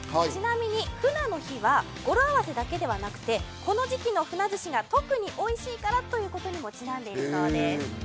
ちなみにフナの日は語呂合わせだけじゃなくてこの時期の鮒寿司が特においしいからということにもちなんでいるそうです。